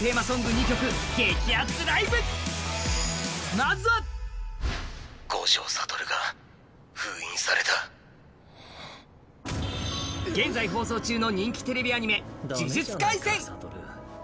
まずは現在放送中の人気テレビアニメ「呪術廻戦」。